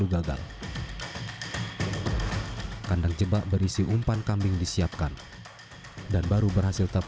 dua pekan dirawat kondisinya terus memburuk